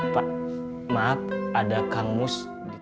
pak maaf ada kamus